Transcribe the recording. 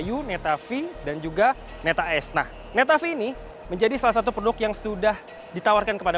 u netta v dan juga netta s nah netta v ini menjadi salah satu produk yang sudah ditawarkan kepada